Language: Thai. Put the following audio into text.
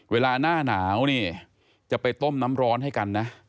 เวลาหน้าหนาวนี่จะไปต้มน้ำร้อนให้กันนะ